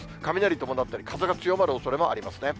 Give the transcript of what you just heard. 雷伴ったり、風が強まるおそれもありますね。